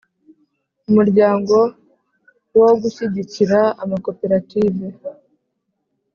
Umuryango wo gushyigikira Amakoperative